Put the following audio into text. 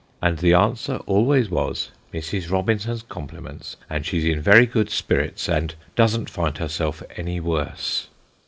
And the answer always was, "Mrs. Robinson's compliments, and she's in very good spirits, and doesn't find herself any worse."